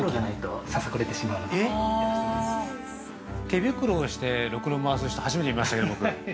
◆手袋をして、ろくろ回す人初めて見ましたけど、僕。